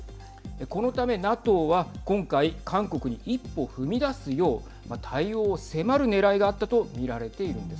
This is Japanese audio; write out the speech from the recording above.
このためＮＡＴＯは今回韓国に一歩踏み出すよう対応を迫るねらいがあったと見られているんです。